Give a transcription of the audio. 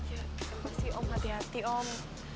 ya pasti om hati hati om